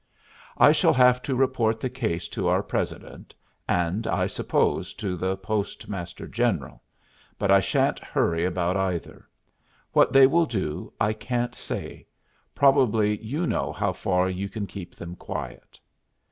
"I shall have to report the case to our president, and, I suppose, to the Postmaster General, but I sha'n't hurry about either. What they will do, I can't say. Probably you know how far you can keep them quiet."